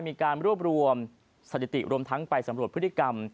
มีการรวบรวมสถิติรวมทั้งไปสำรวจพฤติกรรม